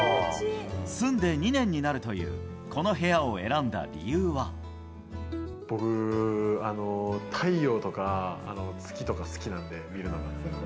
住んで２年になるというこの僕、太陽とか月とか好きなんで、見るのが。